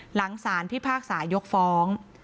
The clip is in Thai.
หลังสารพิพากษายกฟ้อง